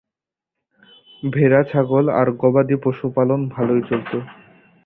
ভেড়া, ছাগল আর গবাদি পশুপালন ভালোই চলত।